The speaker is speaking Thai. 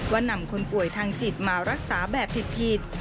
นำคนป่วยทางจิตมารักษาแบบผิด